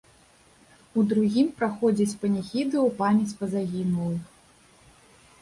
У другім праходзяць паніхіды ў памяць па загінулых.